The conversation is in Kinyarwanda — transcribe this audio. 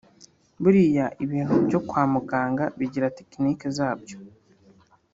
Buriya ibintu byo kwa muganga bigira tekiniki zabyo